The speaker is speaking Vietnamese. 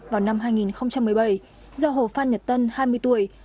vào năm hai nghìn một mươi bảy do hồ phan nhật tân hai mươi tuổi